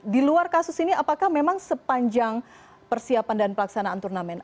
di luar kasus ini apakah memang sepanjang persiapan dan pelaksanaan turnamen